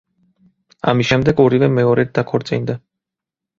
ამის შემდეგ ორივე მეორედ დაქორწინდა.